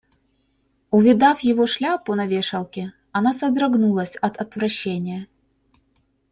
Увидав его шляпу на вешалке, она содрогнулась от отвращения.